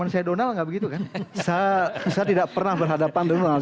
saya tidak pernah berhadapan dengan donald